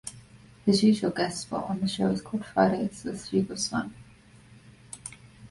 His usual guest spot on the show is called Fridays with Fugelsang.